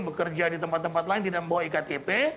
bekerja di tempat tempat lain tidak membawa iktp